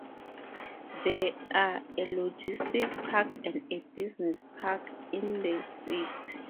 There are a logistics park and a business park in the city.